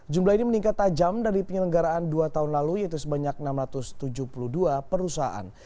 jumlah ini meningkat tajam dari penyelenggaraan dua tahun lalu yaitu sebanyak enam ratus tujuh puluh dua perusahaan